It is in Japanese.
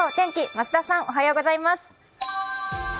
増田さん、おはようございます。